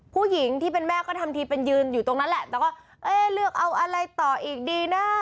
ผู้หญิงที่เป็นแม่ก็ทำทีเป็นยืนอยู่ตรงนั้นแหละแต่ก็เอ๊ะเลือกเอาอะไรต่ออีกดีนะ